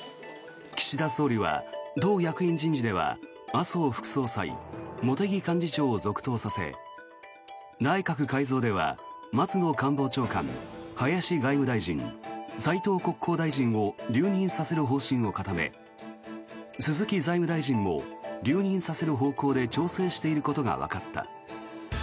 岸田総理は党役員人事では麻生副総裁、茂木幹事長を続投させ内閣改造では松野官房長官、林外務大臣斉藤国交大臣を留任させる方針を固め鈴木財務大臣も留任させる方向で調整していることがわかった。